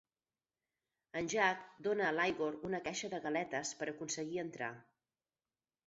En Jack dona a l'Igor una caixa de galetes per aconseguir entrar.